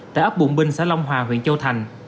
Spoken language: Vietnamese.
tại ấp buồn binh xã long hòa huyện châu thành